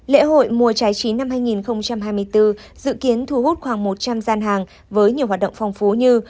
lễ hội mùa trái chín năm hai nghìn hai mươi bốn dự kiến thu hút khoảng một trăm linh gian hàng với nhiều hoạt động phong phú như